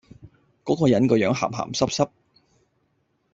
果個人個樣鹹鹹濕濕